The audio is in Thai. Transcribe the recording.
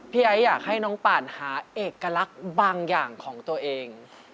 ไอ้อยากให้น้องป่านหาเอกลักษณ์บางอย่างของตัวเอง